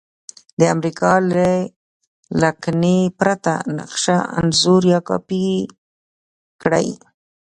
د امریکا له لکنې پرته نقشه انځور یا کاپي کړئ.